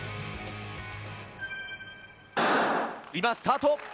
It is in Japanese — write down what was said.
今、スタート。